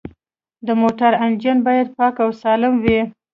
د موټر انجن باید پاک او سالم وي.